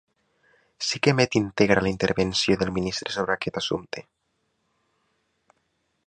Sí que emet íntegra la intervenció del ministre sobre aquest assumpte.